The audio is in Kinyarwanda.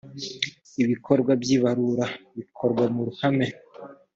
ibikorwa by ibarura bikorwa mu ruhame